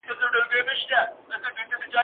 استاد وویل چي ملالۍ د خوګیاڼو وه.